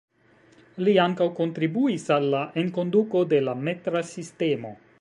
Li ankaŭ kontribuis al la enkonduko de la metra sistemo.